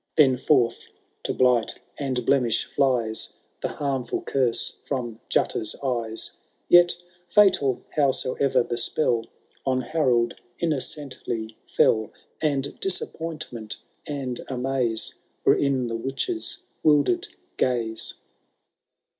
Then forth, to 'blight and blemish, flies The harmful curse from Jutta*s eyes ; Yet, fintal howsoever, the spell On Harold innocently fell ! And disappointment and amaze Were in the witches wilder^ gaze.